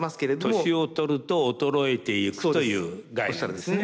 年を取ると衰えていくという概念ですね。